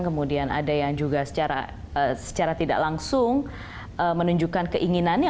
kemudian ada yang juga secara tidak langsung menunjukkan keinginannya